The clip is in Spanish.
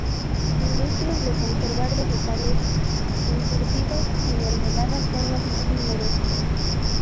Industrias de conservas vegetales, encurtidos y mermeladas son las más numerosas.